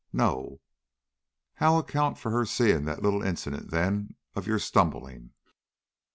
"No." "How account for her seeing that little incident, then, of your stumbling?"